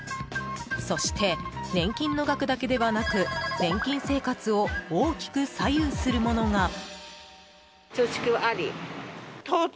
そして、年金の額だけではなく年金生活を大きく左右するものが。